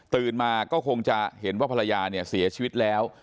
มาก็คงจะเห็นว่าภรรยาเนี่ยเสียชีวิตแล้ว